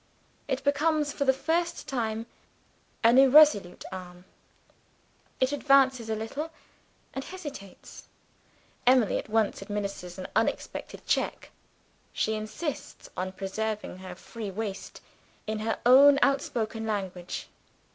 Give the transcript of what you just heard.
It becomes, for the first time, an irresolute arm. It advances a little and hesitates. Emily at once administers an unexpected check; she insists on preserving a free waist, in her own outspoken language.